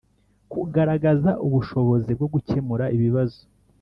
kugaragaza ubushobozi bwo gukemura ibibazo